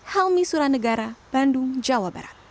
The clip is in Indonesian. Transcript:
helmi suranegara bandung jawa barat